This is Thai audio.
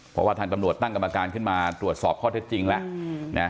เพราะว่าทางตำรวจตั้งกรรมการขึ้นมาตรวจสอบข้อเท็จจริงแล้ว